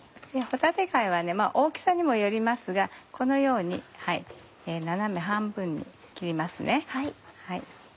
帆立貝はまぁ大きさにもよりますがこのように斜め半分に切ります。